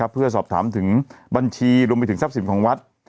เพื่อสอบถามถึงบัญชีรวมไปถึงทรัพย์สินของวัด